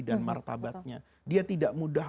dan martabatnya dia tidak mudah